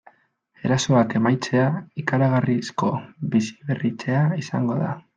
Erasoak amaitzea ikaragarrizko biziberritzea izango da.